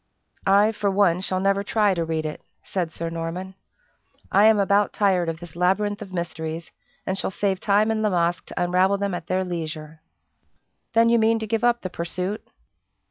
"I, for one, shall never try to read it," said Sir Norman. "I am about tired of this labyrinth of mysteries, and shall save time and La Masque to unravel them at their leisure." "Then you mean to give up the pursuit?"